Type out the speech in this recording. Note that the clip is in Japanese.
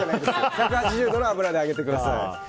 １８０度の油で揚げてください。